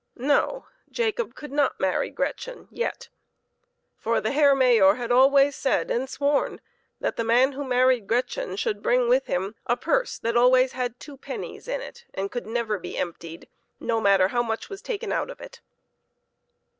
No ; Jacob could not marry Gretchen yet, for the Herr Mayor had always said and sworn that the man who married Gretchen should bring with him a purse that always had two pennies in it and could never be emptied, no matter how much was taken out of it.